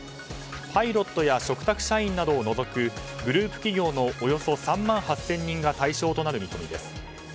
パイロットや嘱託社員などを除くグループ企業のおよそ３万８０００人が対象となる見込みです。